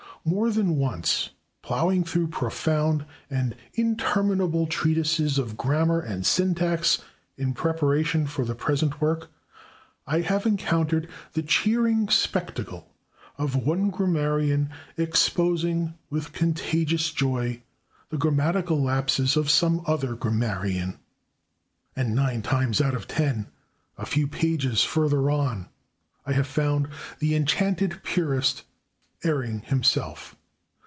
More than once, plowing through profound and interminable treatises of grammar and syntax in [Pg178] preparation for the present work, I have encountered the cheering spectacle of one grammarian exposing, with contagious joy, the grammatical lapses of some other grammarian. And nine times out of ten, a few pages further on, I have found the enchanted purist erring himself.